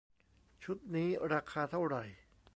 ชุดนี้ราคาเท่าไหร่